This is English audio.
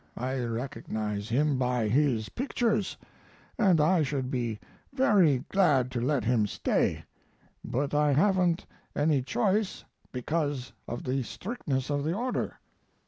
I recognize him by his pictures, and I should be very glad to let him stay, but I haven't any choice because of the strictness of the order."